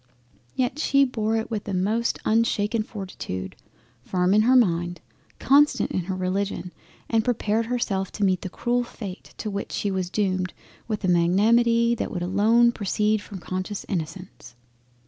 Yet she bore it with a most unshaken fortitude, firm in her mind; constant in her Religion; and prepared herself to meet the cruel fate to which she was doomed, with a magnanimity that would alone proceed from conscious Innocence.